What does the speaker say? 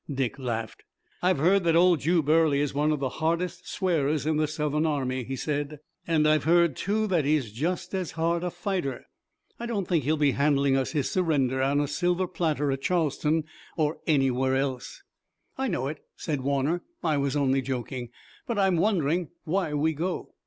Dick laughed. "I've heard that old Jube Early is one of the hardest swearers in the Southern army," he said, "and I've heard, too, that he's just as hard a fighter. I don't think he'll be handing us his surrender on a silver platter at Charlestown or anywhere else." "I know it," said Warner. "I was only joking, but I'm wondering why we go."